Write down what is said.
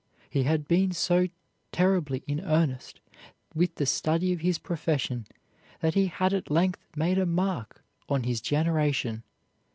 He had been so terribly in earnest with the study of his profession that he had at length made a mark on his generation.